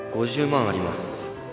５０万あります